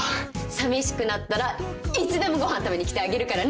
さみしくなったらいつでもご飯食べに来てあげるからね。